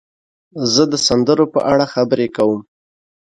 زه د سندرو په اړه خبرې کوم.